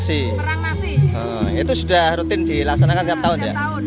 itu sudah rutin dilaksanakan setahun